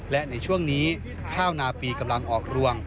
และในช่วงนี้ข้าวนาปีกำลังออกรวง